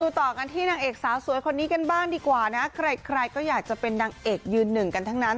ต่อกันที่นางเอกสาวสวยคนนี้กันบ้างดีกว่านะใครใครก็อยากจะเป็นนางเอกยืนหนึ่งกันทั้งนั้น